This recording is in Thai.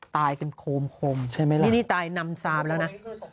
ตายกันโคมนี่ตาย๕๓แล้วนะ